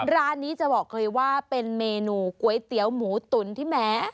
ร้านนี้จะบอกเลยว่าเป็นเมนูก๋วยเตี๋ยวหมูตุ๋นที่แม้